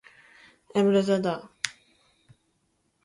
He had been disgraced for a number of years prior.